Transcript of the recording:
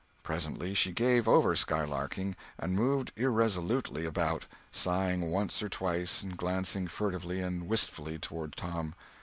Presently she gave over skylarking, and moved irresolutely about, sighing once or twice and glancing furtively and wistfully toward Tom.